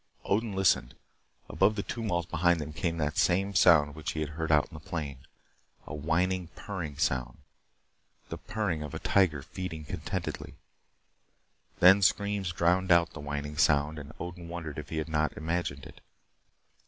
Odin listened. Above the tumult behind them came that same sound which he had heard out on the plain. A whining, purring sound. The purring of a tiger feeding contentedly. Then screams drowned out the whining sound, and Odin wondered if he had not imagined it.